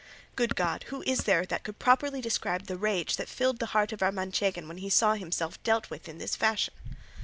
Good God! Who is there that could properly describe the rage that filled the heart of our Manchegan when he saw himself dealt with in this fashion?